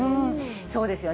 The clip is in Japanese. そうですよね。